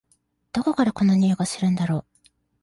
どこからこの匂いがするんだろ？